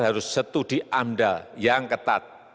harus setuh di amdal yang ketat